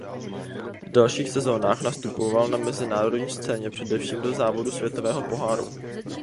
V dalších sezónách nastupoval na mezinárodní scéně především do závodů Světového poháru.